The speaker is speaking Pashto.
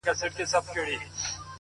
د تورو شپو سپين څراغونه مړه ســول،